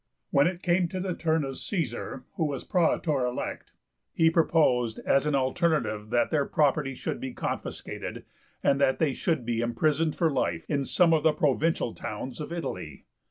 When it came to the turn of Caesar, who was praetor elect, he proposed as an alternative that their property should be confiscated, and that they should be imprisoned for life in some of the provincial towns of Italy.